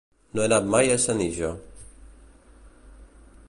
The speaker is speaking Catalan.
No he anat mai a Senija.